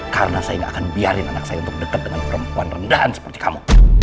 karena saya gak akan biarin anak saya untuk deket dengan perempuan rendahan seperti kamu